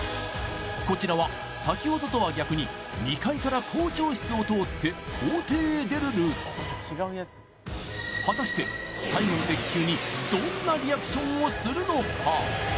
こちらは先ほどとは逆に２階から校長室を通って校庭へ出るルート最後の鉄球にどんなリアクションをするのか？